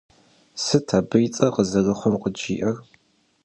Сыт абы и цӀэр къызэрыхъум къыджиӀэр?